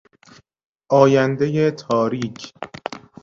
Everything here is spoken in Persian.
آیندهی تاریک